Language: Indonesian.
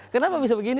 kenapa bisa begini